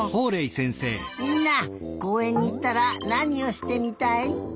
みんなこうえんにいったらなにをしてみたい？